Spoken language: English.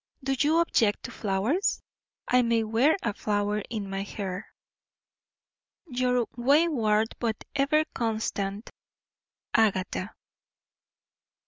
Do you object to flowers? I may wear a flower in my hair. Your wayward but ever constant AGATHA.